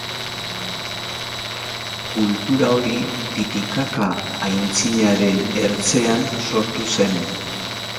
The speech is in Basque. Kultura hori Titikaka aintziraren ertzean sortu zen.